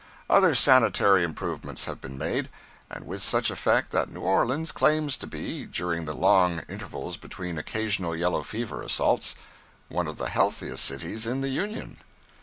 Other sanitary improvements have been made; and with such effect that New Orleans claims to be (during the long intervals between the occasional yellow fever assaults) one of the healthiest cities in the Union.